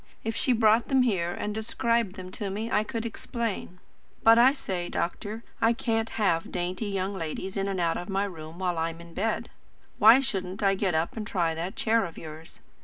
If she brought them here and described them to me I could explain But, I say, doctor. I can't have dainty young ladies in and out of my room while I'm in bed. Why shouldn't I get up and try that chair of yours?